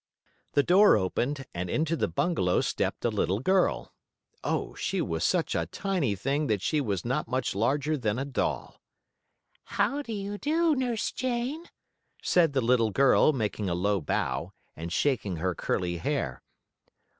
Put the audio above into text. The door opened, and into the bungalow stepped a little girl. Oh, she was such a tiny thing that she was not much larger than a doll. "How do you do, Nurse Jane," said the little girl, making a low bow, and shaking her curly hair.